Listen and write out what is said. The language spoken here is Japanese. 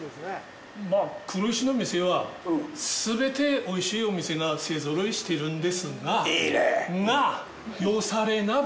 まあ、黒石の店は、すべておいしいお店が勢ぞろいしてるんですがよされ何だ？